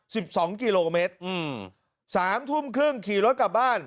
สิบสองกิโลเมตรอืมสามทุ่มครึ่งขี่รถกลับบ้าน